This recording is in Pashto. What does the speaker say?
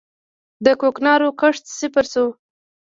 د کوکنارو کښت صفر شوی؟